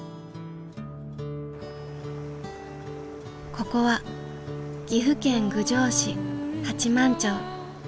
ここは岐阜県郡上市八幡町。